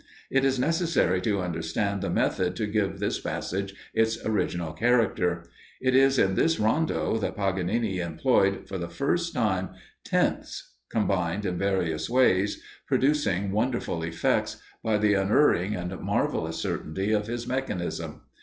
It is necessary to understand the method to give this passage its original character. It is in this rondo that Paganini employed, for the first time, tenths, combined in various ways, producing wonderful effects, by the unerring and marvellous certainty of his mechanism.